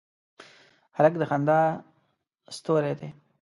هلک د خندا ستوری دی.